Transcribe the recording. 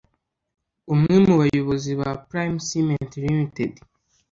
Umwe mu bayobozi ba Prime Cement Ltd